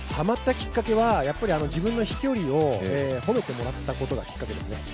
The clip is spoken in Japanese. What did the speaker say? やっぱり自分の飛距離を褒めてもらったことがきっかけですね。